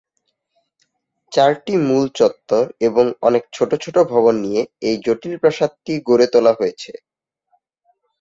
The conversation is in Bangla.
চারটি মূল চত্বর এবং অনেক ছোট ছোট ভবন নিয়ে এই জটিল প্রাসাদটি গড়ে তোলা হয়েছে।